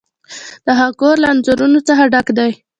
د هغه کور له انځورونو څخه ډک دی.